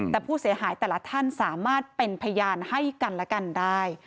แต่ผู้เสียหายแต่ละท่านสามารถเป็นพยานให้กันและกันได้